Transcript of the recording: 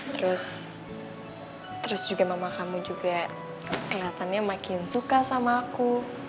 terus juga mama kamu juga kelihatannya makin suka sama aku